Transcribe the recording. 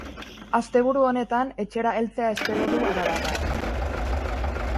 Asteburu honetan etxera heltzea espero du arabarrak.